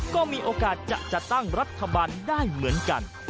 ก็มีโอกาสจะจัดตั้งรัฐบาลได้เหมือนกัน